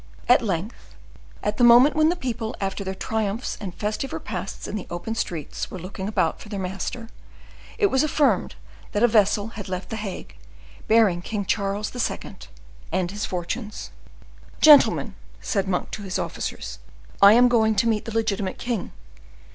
At length, at the moment when the people, after their triumphs and festive repasts in the open streets, were looking about for a master, it was affirmed that a vessel had left the Hague, bearing King Charles II. and his fortunes. "Gentlemen," said Monk to his officers, "I am going to meet the legitimate king.